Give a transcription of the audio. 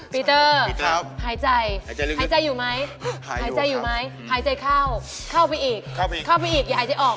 ปีเตอร์หายใจหายใจอยู่ไหมหายใจข้าวข้าวไปอีกอย่าหายใจออก